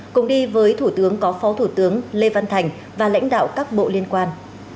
cùng đi với thủ tướng có phó thủ tướng lê văn thành và lãnh đạo các bộ liên quan